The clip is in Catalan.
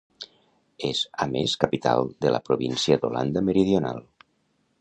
És a més capital de la província d'Holanda Meridional.